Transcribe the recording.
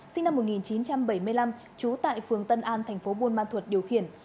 sinh năm một nghìn chín trăm bảy mươi năm trú tại phường tân an thành phố buôn ma thuật điều khiển